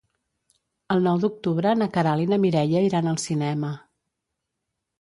El nou d'octubre na Queralt i na Mireia iran al cinema.